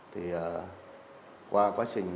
thì qua quá trình